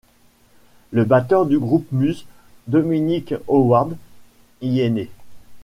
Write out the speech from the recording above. Le batteur du groupe Muse, Dominic Howard, y est né.